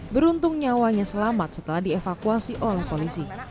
beruntung nyawanya selamat setelah dievakuasi oleh polisi